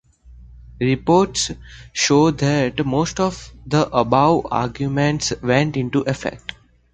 Reports show that most of the above arguments went into effect.